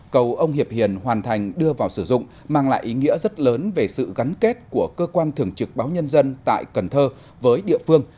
cầu ông hiệp hiền hoàn thành đưa vào sử dụng mang lại ý nghĩa rất lớn về sự gắn kết của cơ quan thường trực báo nhân dân tại cần thơ với địa phương